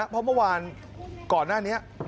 เพราะเมื่อวานก่อนหน้านี้